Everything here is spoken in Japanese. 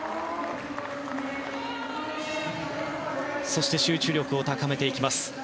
そして、集中力を高めていきます